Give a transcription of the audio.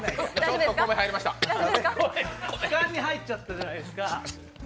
米が気管に入っちゃったじゃないですか。